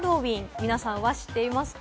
皆さんは知っていますか？